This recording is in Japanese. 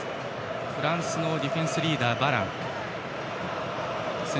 フランスのディフェンスリーダー、バラン。